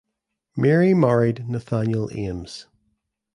Mary married Nathaniel Ames.